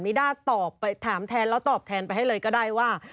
นิด้าตอบไปถามแทนแล้วตอบแทนไปให้เลยก็ได้ว่า